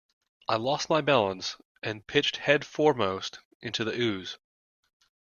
I lost my balance and pitched head foremost into the ooze.